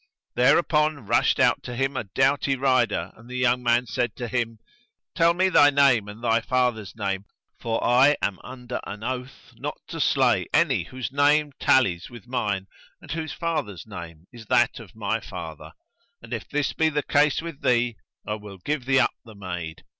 There upon rushed out to him a doughty rider and the young man said to him, "Tell me thy name and thy father's name, for I am under an oath not to slay any whose name tallies with mine and whose father's name is that of my father; and if this be the case with thee, I will give thee up the maid."